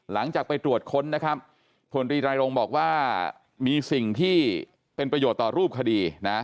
หลังจากไปตรวจค้นนะครับพลตรีรายรงค์บอกว่ามีสิ่งที่เป็นประโยชน์ต่อรูปคดีนะ